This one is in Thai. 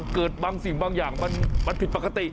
เกิดบางสิ่งบางอย่างมันผิดปกติ